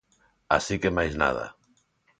Así que máis nada.